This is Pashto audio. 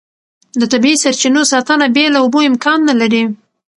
د طبیعي سرچینو ساتنه بې له اوبو امکان نه لري.